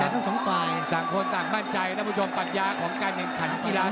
หมดยกแต่ว่าจะออกใครนะครับ